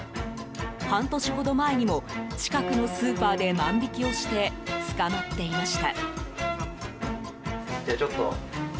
半年ほど前にも近くのスーパーで万引きをして捕まっていました。